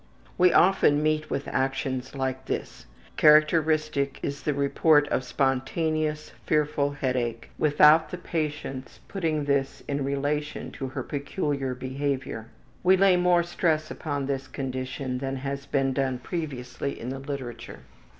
We often meet with actions like this. Characteristic is the report of spontaneous, fearful headache, without the patient's putting this in relation to her peculiar behavior. We lay more stress upon this condition than has been done previously in the literature.